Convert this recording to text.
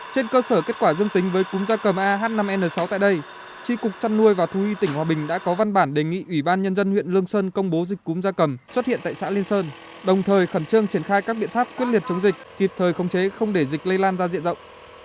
trên cơ sở kết quả dương tính với cúm gia cầm ah năm n sáu tại đây tri cục trăn nuôi và thu y tỉnh hòa bình đã có văn bản đề nghị ủy ban nhân dân huyện lương sơn công bố dịch cúm da cầm xuất hiện tại xã liên sơn đồng thời khẩn trương triển khai các biện pháp quyết liệt chống dịch kịp thời khống chế không để dịch lây lan ra diện rộng